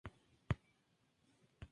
Tiene cuatro hermanas.